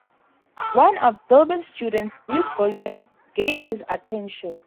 One of Gilbert's students, Bruce Bouillet, gained his attention.